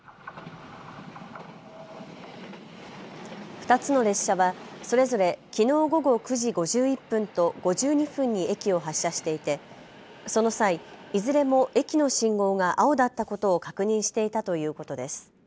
２つの列車はそれぞれきのう午後９時５１分と５２分に駅を発車していてその際、いずれも駅の信号が青だったことを確認していたということです。